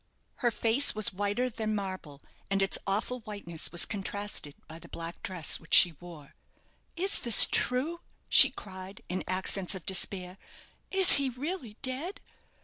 Her face was whiter than marble, and its awful whiteness was contrasted by the black dress which she wore. "Is this true?" she cried, in accents of despair. "Is he really dead?"